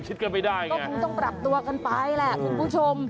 เจ๊ก็ต้องปรับตัวกันไปแหละคุณผู้ชม